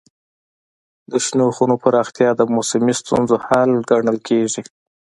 د شنو خونو پراختیا د موسمي ستونزو حل ګڼل کېږي.